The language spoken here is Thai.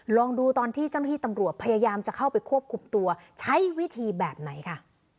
ลองดูตอนที่เจ้าหน้าที่ตำรวจพยายามจะเข้าไปควบคุมตัวใช้วิธีแบบไหนค่ะ